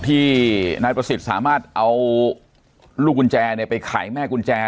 ที่นายประสิทธิ์สามารถเอาลูกกุญแจไปไขแม่กุญแจ